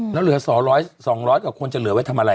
แล้วเหลือ๒๐๐๒๐๐กว่าคนจะเหลือไว้ทำอะไร